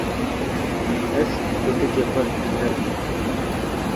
Ez kurtikê xwe diguherim.